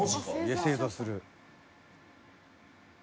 「正座する」